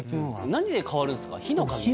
何で変わるんですか火の加減？